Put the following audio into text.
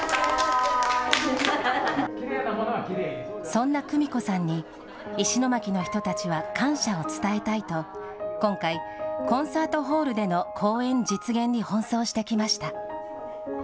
そんなクミコさんに、石巻の人たちは感謝を伝えたいと、今回、コンサートホールでの公演実現に奔走してきました。